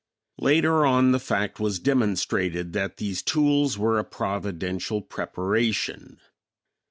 Later on, the fact was demonstrated that these tools were a providential preparation.